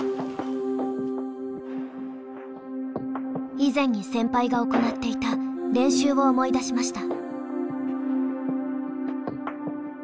以前に先輩が行っていた練習を思い出しました。